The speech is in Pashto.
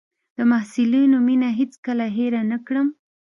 د محصلینو مينه هېڅ کله هېره نه کړم.